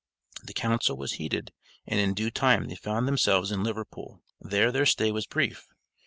The counsel was heeded, and in due time they found themselves in Liverpool. There their stay was brief.